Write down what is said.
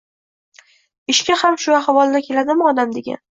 Ishga ham shu ahvolda keladimi odam degan